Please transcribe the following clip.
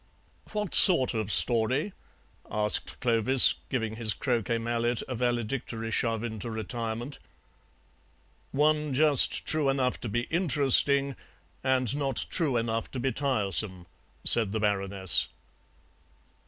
"What sort of story?" asked Clovis, giving his croquet mallet a valedictory shove into retirement. "One just true enough to be interesting and not true enough to be tiresome," said the Baroness.